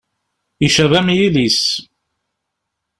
Icab am yilis.